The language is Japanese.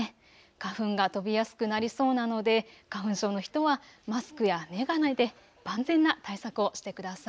花粉が飛びやすくやすくなりそうなので花粉症の人はマスクや眼鏡で万全な対策をしてください。